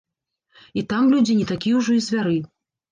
І там людзі не такія ўжо і звяры.